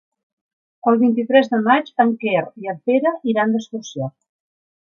El vint-i-tres de maig en Quer i en Pere iran d'excursió.